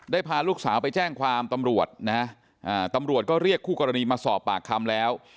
พาลูกสาวไปแจ้งความตำรวจนะตำรวจก็เรียกคู่กรณีมาสอบปากคำแล้ว